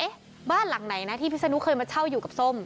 บ้านหลังไหนนะที่พิศนุเคยมาเช่าอยู่กับส้ม